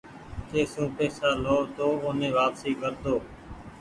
ڪي سون پئيسا لئو تو اوني واپسي ڪرۮو۔